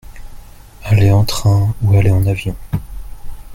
aller en train ou aller en avion.